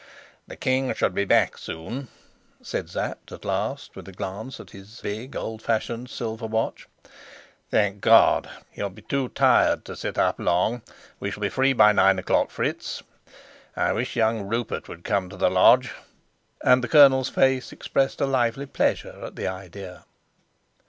"The king should be back soon," said Sapt at last, with a glance at his big, old fashioned silver watch. "Thank God, he'll be too tired to sit up long. We shall be free by nine o'clock, Fritz. I wish young Rupert would come to the lodge!" And the colonel's face expressed a lively pleasure at the idea.